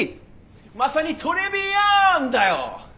まさにトレビアンだよ！